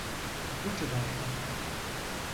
Bu civarda.